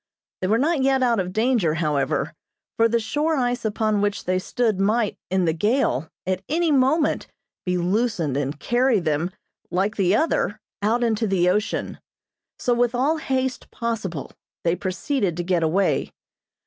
They were not yet out of danger, however, for the shore ice upon which they stood might, in the gale, at any moment be loosened and carry them, like the other, out into the ocean. So with all haste possible, they proceeded to get away.